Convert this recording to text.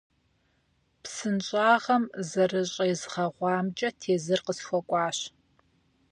Псынщӏагъэм зэрыщӏезгъэгъуамкӏэ тезыр къысхуэкӏуащ.